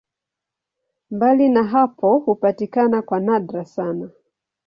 Mbali na hapo hupatikana kwa nadra sana.